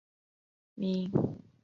鸣走跃蛛为跳蛛科跃蛛属的动物。